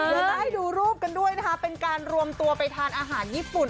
เป็นการให้ดูรูปกันด้วยเป็นการรวมตัวไปทานอาหารญี่ปุ่น